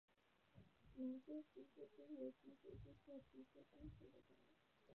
满洲平腹蛛为平腹蛛科平腹蛛属的动物。